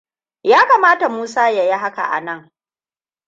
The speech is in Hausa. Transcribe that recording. Ya kamata Musa ya yi hakan anan.